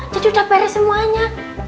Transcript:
jadi udah beres semuanya